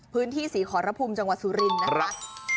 พื้นที่สีขอรภูมิจังหวัดสุรินทร์นะคะ